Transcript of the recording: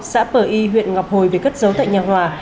xã pờ y huyện ngọc hồi về cất giấu tại nhà hòa